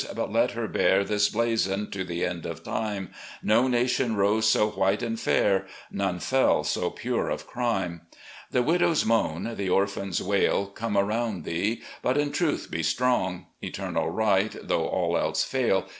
— but let her bear This blazon to the end of time: No nation rose so white and fair. None fell so pure of crime. "The widow's moan, the orphan's wail. Come round thee; but in truth be strong ! Eternal Right, though all else fail.